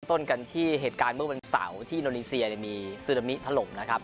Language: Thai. ต้นกันที่เหตุการณ์เมื่อวันเสาร์ที่โดนีเซียมีซึนามิถล่มนะครับ